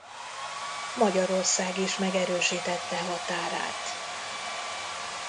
Magyarország is megerősítette határát.